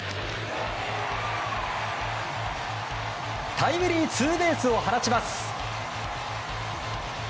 タイムリーツーベースを放ちます。